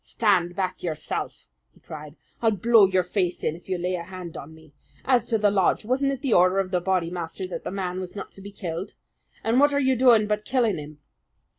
"Stand back yourself!" he cried. "I'll blow your face in if you lay a hand on me. As to the lodge, wasn't it the order of the Bodymaster that the man was not to be killed and what are you doing but killing him?"